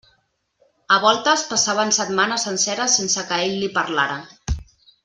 A voltes passaven setmanes senceres sense que ell li parlara.